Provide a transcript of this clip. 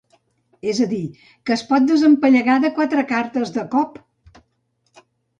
És a dir, que es pot desempallegar de quatre cartes de cop!